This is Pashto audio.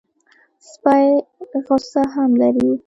سپي غصه هم لري.